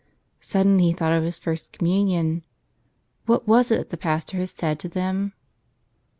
Suddenly he thought of his First Com¬ munion. What was it that the pastor had said to them?